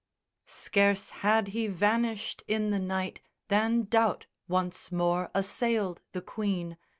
Scarce had he vanished in the night than doubt Once more assailed the Queen.